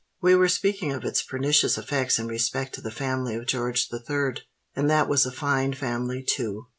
We were speaking of its pernicious effects in respect to the family of George the Third. And that was a fine family, too!